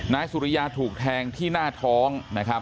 นายสุริญาฅรรมถูกแทงที่หน้าท้อง